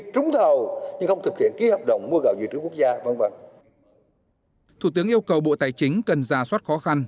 thủ tướng yêu cầu bộ tài chính cần ra soát khó khăn